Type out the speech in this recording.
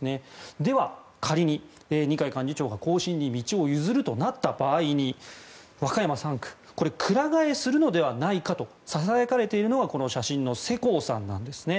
では、仮に二階幹事長が後進に道を譲るとなった場合に和歌山３区これ、くら替えするのではないかとささやかれているのがこの写真の世耕さんなんです。